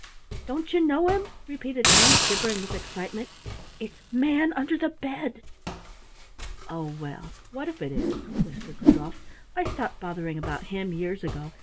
"Don't you know him?" repeated Ann, shivering with excitement. "It's Manunderthebed!" "Oh, well, what if it is?" whispered Rudolf. "I stopped bothering about him years ago.